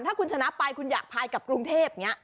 ถ้าคุณชนะไปคุณอยากพายกับกรุงเทพอย่างนี้